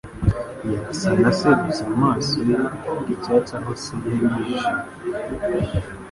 Yasa na se, gusa amaso ye yaka icyatsi aho se yari yijimye.